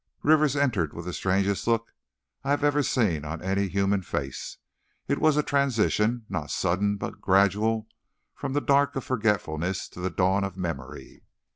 Rivers entered with the strangest look I have ever seen on any human face. It was a transition, not sudden but gradual, from the dark of forgetfulness to the dawn of memory.